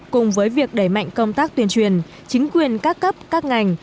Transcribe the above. cùng với việc đẩy mạnh công tác tuyên truyền chính quyền các cấp các ngành